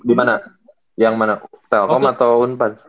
dimana yang mana telkom atau unpad